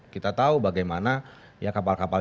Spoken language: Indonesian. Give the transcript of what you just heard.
kita tahu bagaimana ya kapal kapal